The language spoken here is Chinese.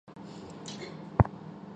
拉维热里耶。